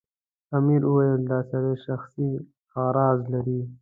امیر وویل دا سړی شخصي اغراض لري.